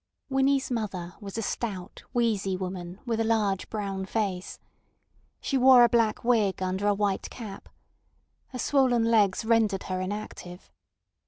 Winnie's mother was a stout, wheezy woman, with a large brown face. She wore a black wig under a white cap. Her swollen legs rendered her inactive.